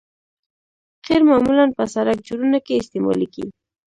قیر معمولاً په سرک جوړونه کې استعمالیږي